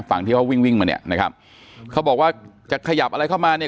ฝั่งที่เขาวิ่งวิ่งมาเนี่ยนะครับเขาบอกว่าจะขยับอะไรเข้ามาเนี่ย